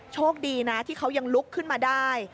โชคดีนะที่เขายังลุกขึ้นมาได้